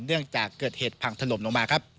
เนื่องจากเกิดเหตุผังถนมลงมา